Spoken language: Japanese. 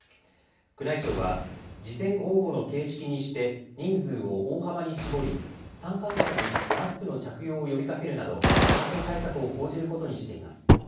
宮内庁は事前応募の形式にして人数を大幅に絞り参観者にマスクの着用を呼びかけるなど感染対策を講じることにしています。